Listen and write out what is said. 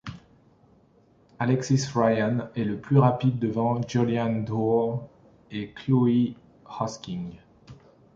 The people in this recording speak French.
Alexis Ryan y est la plus rapide devant Jolien D'Hoore et Chloe Hosking.